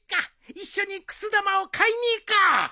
一緒にくす玉を買いに行こう！